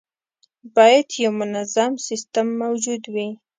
باید یو منظم سیستم موجود وي.